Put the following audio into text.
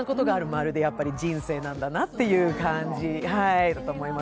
まるで人生なんだなっていう感じだと思います。